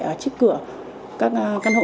ở chiếc cửa các căn hộ